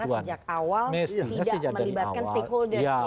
karena sejak awal tidak melibatkan stakeholders ya